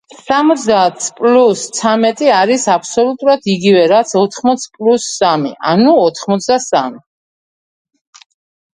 სამოცდაათს პლუს ცამეტი არის აბსოლუტურად იგივე რაც ოთხმოცს პლუს სამი, ანუ ოთხმოცდასამი.